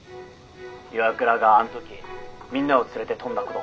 岩倉があん時みんなを連れて飛んだこと。